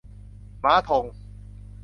ม้า ธง